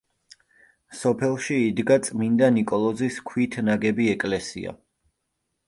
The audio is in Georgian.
სოფელში იდგა წმინდა ნიკოლოზის ქვით ნაგები ეკლესია.